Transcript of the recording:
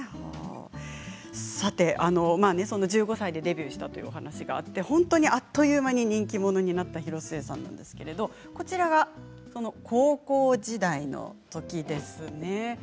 そんな１５歳でデビューしたというお話があって本当にあっという間に人気者になった広末さんなんですけどこちらが高校時代のときです。